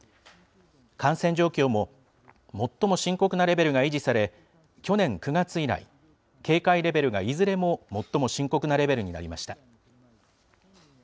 感染状況も、最も深刻なレベルが維持され、去年９月以来、警戒レベルがいずれも最も深刻なレベルになりました。